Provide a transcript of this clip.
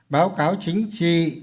báo cáo chính trị